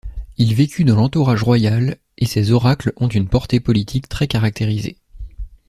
Il vécut dans l'entourage royal et ses oracles ont une portée politique très caractérisée.